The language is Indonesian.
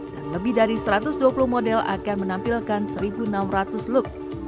dan lebih dari satu ratus dua puluh model akan menampilkan seribu